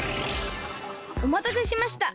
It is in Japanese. おまたせしました。